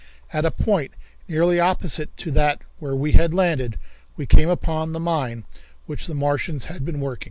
At a point nearly opposite to that where we had landed we came upon the mine which the Martians had been working.